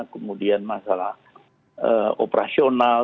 kemudian masalah operasional